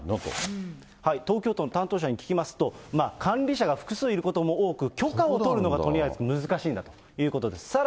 東京都の担当者に聞きますと、管理者が複数いることも多く、許可を取るのがとりあえず難しいんだということです。